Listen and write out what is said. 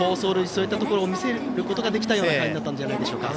そういったところを見せることができたような回になったんじゃないでしょうか。